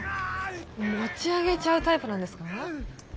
持ち上げちゃうタイプなんですか？